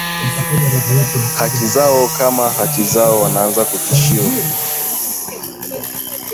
haki zao kama haki zao wanaanza kutishiwa